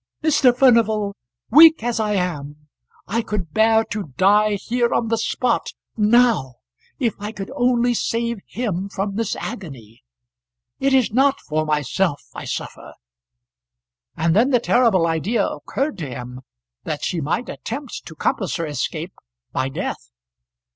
"Mr. Furnival, weak as I am, I could bear to die here on the spot, now if I could only save him from this agony. It is not for myself I suffer." And then the terrible idea occurred to him that she might attempt to compass her escape by death.